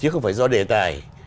không có cái đề tài